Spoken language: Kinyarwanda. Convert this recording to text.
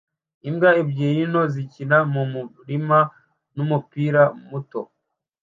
Imbwa ebyiri nto zikina mu murima n'umupira muto